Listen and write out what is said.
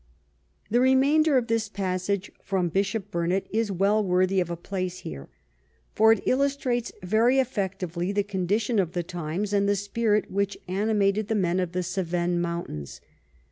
The remainder of this passage from Bishop Burnet is well worthy of a place here, for it illustrates very effec tively the condition of the times and the spirit which animated the men of the Cevennes mountains.